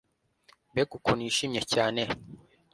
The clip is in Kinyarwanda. Mbega ukuntu yashimye cyane